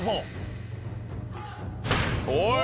おい！